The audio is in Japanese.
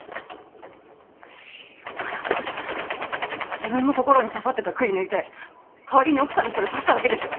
自分の心に刺さってたくい抜いて代わりに奥さんにそれ刺しただけでしょ。